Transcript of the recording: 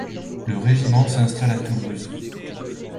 Le régiment s'installe à Toulouse.